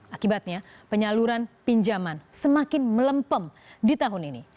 akibatnya penyaluran pinjaman semakin melempem di tahun ini